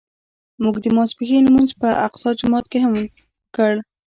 موږ د ماسپښین لمونځ په اقصی جومات کې وکړ.